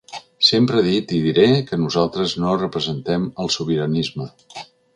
Sempre he dit i diré que nosaltres no representem el sobiranisme.